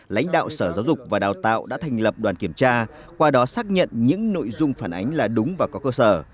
lãnh đạo sở giáo dục và đào tạo đã thành lập đoàn kiểm tra qua đó xác nhận những nội dung phản ánh là đúng và có cơ sở